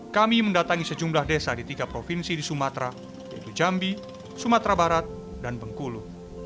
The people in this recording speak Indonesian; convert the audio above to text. kami mendatangi sejumlah desa di tiga provinsi di sumatera yaitu jambi sumatera barat dan bengkulu